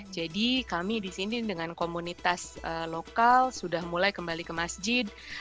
jadi kami di sini dengan komunitas lokal sudah mulai kembali ke masjid